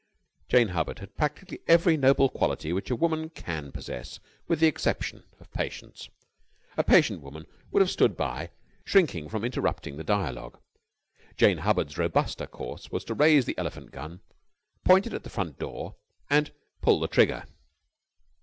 Jane Hubbard had practically every noble quality which a woman can possess with the exception of patience. A patient woman would have stood by, shrinking from interrupting the dialogue. Jane Hubbard's robuster course was to raise the elephant gun, point it at the front door, and pull the trigger.